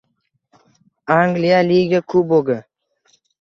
Angliya Liga Kubogi